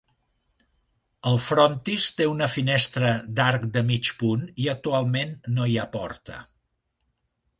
El frontis té una finestra d'arc de mig punt i actualment no hi ha porta.